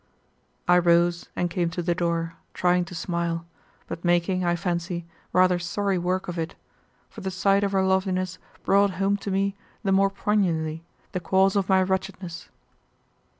I rose and came to the door, trying to smile, but making, I fancy, rather sorry work of it, for the sight of her loveliness brought home to me the more poignantly the cause of my wretchedness.